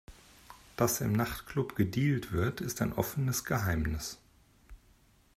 Dass im Nachtclub gedealt wird, ist ein offenes Geheimnis.